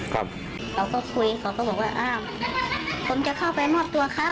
เราก็คุยเขาก็บอกว่าอ้าวผมจะเข้าไปมอบตัวครับ